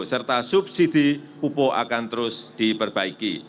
serta subsidi pupuk akan terus diperbaiki